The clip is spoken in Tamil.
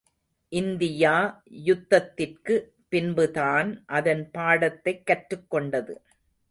இந்தியா யுத்தத்திற்கு பின்புதான் அதன் பாடத்தைக் கற்றுக்கொண்டது.